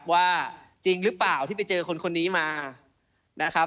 ว่าจริงหรือเปล่าที่ไปเจอคนคนนี้มานะครับ